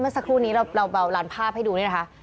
สักครู่นี้เราเบาลานภาพให้ดูนี่นะคะ